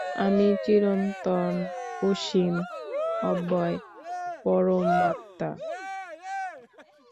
আমি চিরন্তন, অসীম, অব্যয় পরমাত্মা।